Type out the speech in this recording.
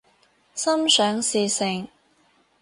心想事成